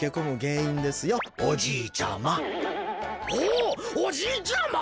おおじいちゃま！？